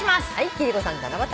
貴理子さん「七夕」